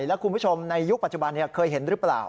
แล้วคุณผู้ชมในยุคปัจจุบันเคยเห็นหรือเปล่า